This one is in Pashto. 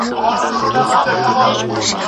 لښتې په خپل ذهن کې د راتلونکي وېره لرله.